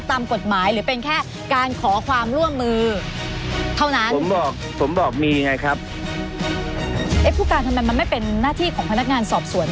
เจ้าของคดีเขาก็สามารถเรียกได้พวกที่สะกาย